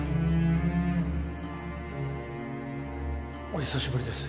お久しぶりです。